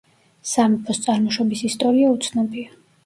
სამეფოს წარმოშობის ისტორია უცნობია.